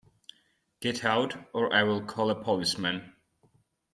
Get out, or I'll call a policeman.